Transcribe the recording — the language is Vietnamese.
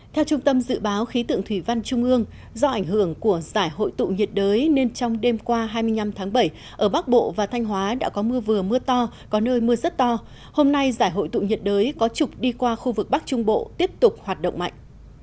theo trung tâm dự báo khí tượng thủy văn trung ương do ảnh hưởng của giải hội tụ nhiệt đới nên trong đêm qua hai mươi năm tháng bảy ở bắc bộ và thanh hóa đã có mưa vừa mưa to có nơi mưa rất to hôm nay giải hội tụ nhiệt đới có trục đi qua khu vực bắc trung bộ tiếp tục hoạt động mạnh